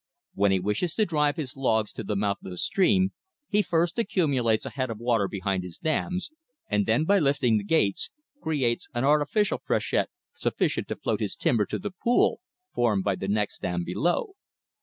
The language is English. When he wishes to "drive" his logs to the mouth of the stream, he first accumulates a head of water behind his dams, and then, by lifting the gates, creates an artificial freshet sufficient to float his timber to the pool formed by the next dam below.